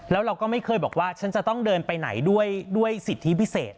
แล้วเราก็ไม่เคยบอกว่าฉันจะต้องเดินไปไหนด้วยสิทธิพิเศษ